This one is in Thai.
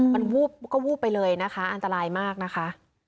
มันวูบก็วูบไปเลยนะคะอันตรายมากนะคะ